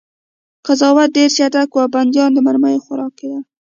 قضاوت ډېر چټک و او بندیان د مرمیو خوراک کېدل